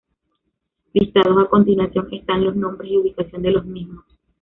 Listados a continuación están los nombres y ubicaciones de los mismos.